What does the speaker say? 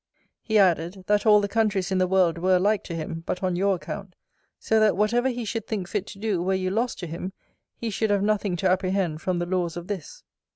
He added, that all the countries in the world were alike to him, but on your account: so that, whatever he should think fit to do, were you lost to him, he should have noting to apprehend from the laws of this.